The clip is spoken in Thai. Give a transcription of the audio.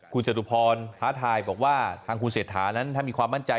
คุณจตุพรท้าทายบอกว่าทางคุณเศรษฐานั้นถ้ามีความมั่นใจ